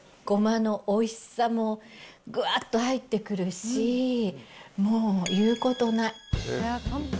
ごまのおいしさもぐわっと入ってくるし、もう言うことない！